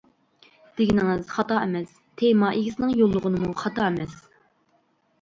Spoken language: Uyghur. دېگىنىڭىز خاتا ئەمەس، تېما ئىگىسىنىڭ يوللىغىنىمۇ خاتا ئەمەس.